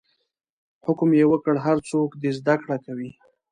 حکم یې وکړ هر څوک دې زده کړه کوي.